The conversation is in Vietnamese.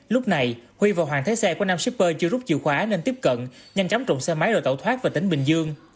lúc này huy và hoàng thấy xe của nam shipper chưa rút chìu khóa nên tiếp cận nhanh chóng trộm xe máy rồi tẩu thoát về tỉnh bình dương